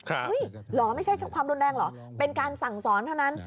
เหรอไม่ใช่ความรุนแรงเหรอเป็นการสั่งสอนเท่านั้น